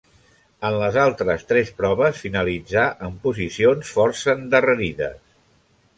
En les altres tres proves finalitzà en posicions força endarrerides.